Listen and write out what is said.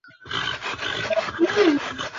আবদুল মমিন মন্ডল একজন শিল্পপতি।